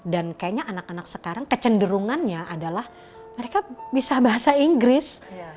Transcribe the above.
dan kayaknya anak anak sekarang kecenderungannya adalah mereka bisa bahasa inggris